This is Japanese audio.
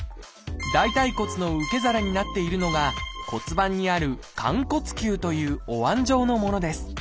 大腿骨の受け皿になっているのが骨盤にある「寛骨臼」というおわん状のものです。